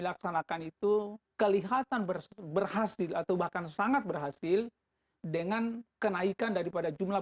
dilaksanakan itu kelihatan berhasil atau bahkan sangat berhasil dengan kenaikan daripada jumlah